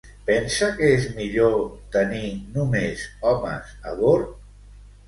Pensa que és millor tenir només homes a bord?